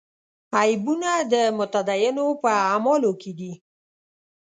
عیبونه د متدینو په اعمالو کې دي.